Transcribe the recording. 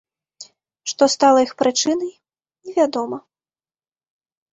Што стала іх прычынай, невядома.